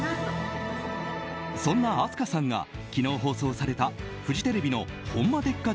そんな明日花さんが昨日放送されたフジテレビの「ホンマでっか！？